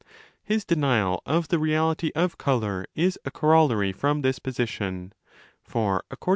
(His denial of the reality of colour is a corollary from this position: for, according to 1 i.